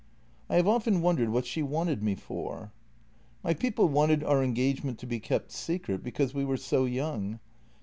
I have often wondered what she wanted me for. " My people wanted our engagement to be kept secret, be cause we were so young.